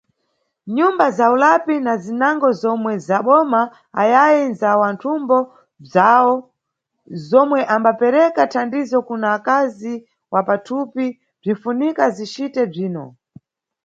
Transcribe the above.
Nyumba za ulapi na zinango zomwe ndzaboma ayayi ndza wanthumbo bzawo zomwe ambapereka thandizo kuna akazi wa pathupi bzinʼfunika zicite bzino.